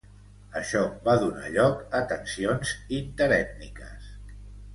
Això va donar lloc a tensions interètniques.